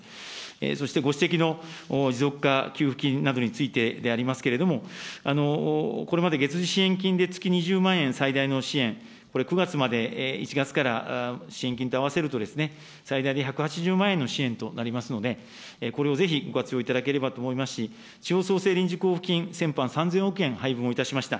そしてご指摘の持続化給付金などについてでありますけれども、これまで支援金で、月２０万円、最大の支援、これ９月まで１月から支援金と合わせると、最大で１８０万円の支援となりますので、これをぜひご活用いただければと思いますし、地方創生臨時交付金、先般３０００億円配分をいたしました。